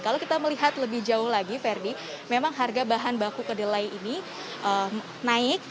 kalau kita melihat lebih jauh lagi ferdi memang harga bahan baku kedelai ini naik